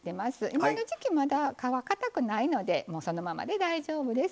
今の時季は皮、かたくないのでそのままで大丈夫です。